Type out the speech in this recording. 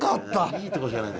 いいとこしかない。